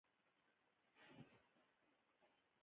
دوی په کوچنیوالي کې په یو بل مئین شول.